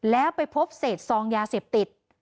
แล้วไปพบเศษซองยาเสพติด